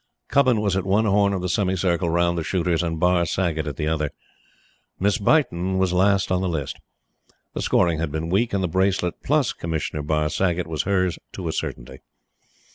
Cubbon was at one horn of the semicircle round the shooters, and Barr Saggott at the other. Miss Beighton was last on the list. The scoring had been weak, and the bracelet, PLUS Commissioner Barr Saggott, was hers to a certainty.